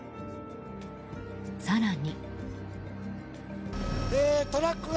更に。